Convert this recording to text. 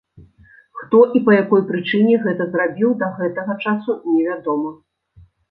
Хто і па якой прычыне гэта зрабіў, да гэтага часу невядома.